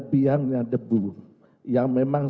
biangnya debu yang memang